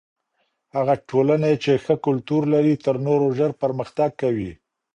هغه ټولني چی ښه کلتور لري تر نورو ژر پرمختګ کوي.